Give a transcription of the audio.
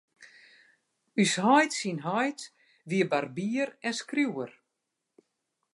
Us heit syn heit wie barbier en skriuwer.